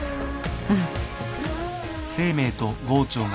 うん。